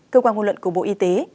cơ quan hôn luận của bộ y tế